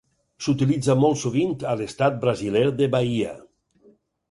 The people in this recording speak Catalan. S'utilitza molt sovint a l'estat brasiler de Bahia.